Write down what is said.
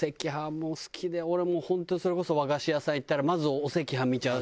もう好きで俺もう本当それこそ和菓子屋さん行ったらまずお赤飯見ちゃう。